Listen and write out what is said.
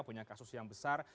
punya kasus yang besar